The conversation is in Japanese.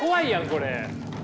これ。